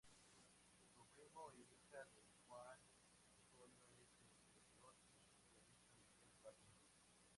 Su primo e hijo de Juan Antonio es el director y guionista Miguel Bardem.